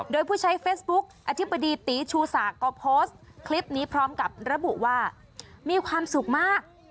โดยผู้ใช้เฟซบุ๊คอธิบดีตีชูศักดิ์ก็โพสต์คลิปนี้พร้อมกับระบุว่ามีความสุขมาก